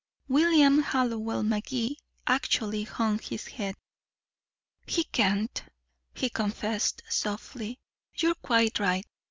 William Hallowell Magee actually hung his head. "He can't," he confessed softly. "You're quite right.